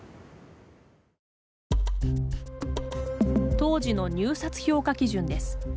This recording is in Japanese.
当時の入札の評価基準です。